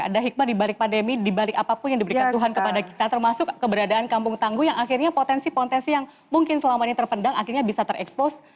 ada hikmah dibalik pandemi dibalik apapun yang diberikan tuhan kepada kita termasuk keberadaan kampung tangguh yang akhirnya potensi potensi yang mungkin selama ini terpendang akhirnya bisa terekspos